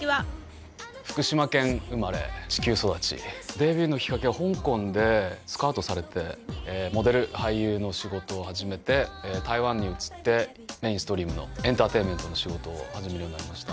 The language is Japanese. デビューのきっかけは香港でスカウトされてモデル・俳優の仕事を始めて台湾に移ってメインストリームのエンターテインメントの仕事を始めるようになりました。